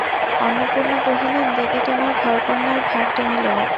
অন্নপূর্ণা কহিলেন, দিদি, তোমার ঘরকন্নার ভার তুমি লও।